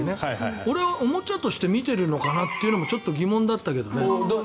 俺はおもちゃとして見ているのかなというのも疑問だったけどね。